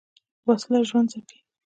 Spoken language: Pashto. وسله ژوند ځپي